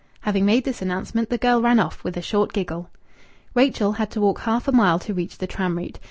Having made this announcement, the girl ran off, with a short giggle. Rachel, had to walk half a mile to reach the tram route.